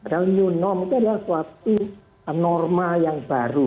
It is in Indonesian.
padahal new normal itu adalah suatu norma yang baru